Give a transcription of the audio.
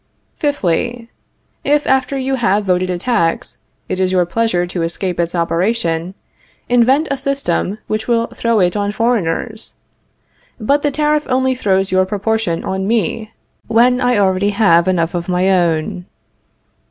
Fifthly. If, after you have voted a tax, it is your pleasure to escape its operation, invent a system which will throw it on foreigners. But the tariff only throws your proportion on me, when I already have enough of my own.